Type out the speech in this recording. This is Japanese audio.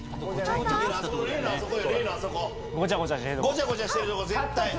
・ごちゃごちゃしてるとこ。